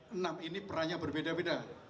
enam ini perannya berbeda beda